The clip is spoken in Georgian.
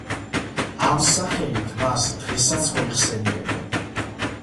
ამ სახელით მას დღესაც მოიხსენიებენ.